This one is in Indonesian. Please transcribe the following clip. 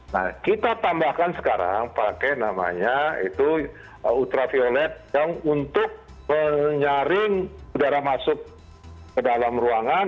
nah kita tambahkan sekarang pakai namanya itu ultraviolet yang untuk menyaring udara masuk ke dalam ruangan